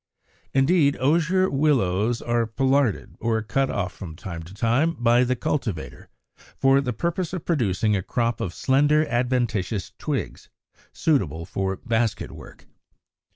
Indeed Osier Willows are pollarded, or cut off, from time to time, by the cultivator, for the purpose of producing a crop of slender adventitious twigs, suitable for basket work.